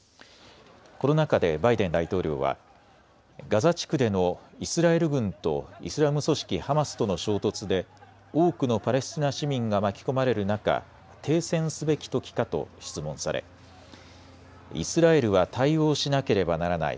この中でバイデン大統領はガザ地区でのイスラエル軍とイスラム組織ハマスとの衝突で多くのパレスチナ市民が巻き込まれる中、停戦すべきときかと質問されイスラエルは対応しなければならない。